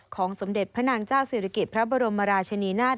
สมเด็จพระนางเจ้าศิริกิจพระบรมราชนีนาฏ